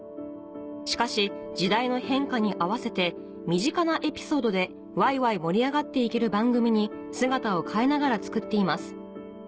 しかし時代の変化に合わせて身近なエピソードでワイワイ盛り上がっていける番組に姿を変えながら作っています。